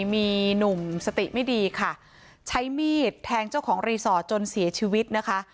มีหนุ่มสติไม่ดีค่ะใช้มีดแทงเจ้าของรีสอร์ทจนเสียชีวิตนะคะ